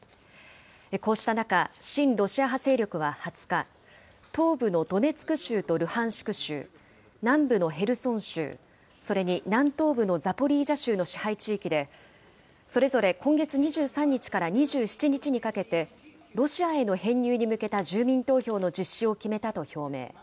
こうした中、親ロシア派勢力は２０日、東部のドネツク州とルハンシク州、南部のヘルソン州、それに南東部のザポリージャ州の支配地域で、それぞれ今月２３日から２７日にかけて、ロシアへの編入に向けた住民投票の実施を決めたと表明。